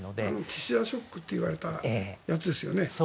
岸田ショックといわれたやつですよね。